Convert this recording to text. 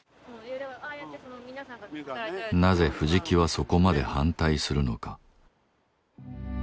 なぜ藤木はそこまで反対するのか？